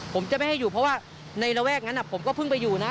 ผมจะไม่ให้อยู่เพราะว่าในระแวกนั้นผมก็เพิ่งไปอยู่นะ